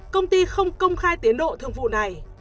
công ty không công khai tiến độ thương vụ này